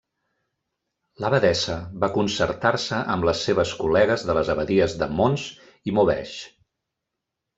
L'abadessa va concertar-se amb les seves col·legues de les abadies de Mons i Maubeuge.